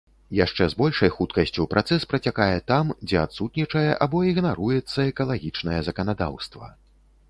Яшчэ з большай хуткасцю працэс працякае там, дзе адсутнічае або ігнаруецца экалагічнае заканадаўства.